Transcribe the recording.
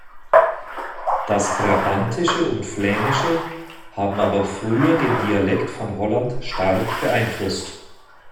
Das Brabantische und Flämische haben aber früher den Dialekt von Holland stark beeinflusst.